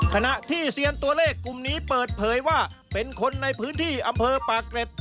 ขณะที่เซียนตัวเลขกลุ่มนี้เปิดเผยว่าเป็นคนในพื้นที่อำเภอปากเกร็ด